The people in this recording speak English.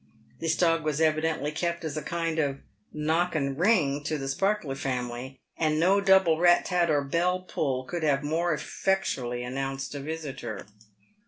This dog was evidently kept as a kind of " knock and ring" to the Sparkler family, and no double rat tat or bell pull could have more effectually announced a visitor.